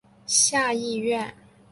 下议院。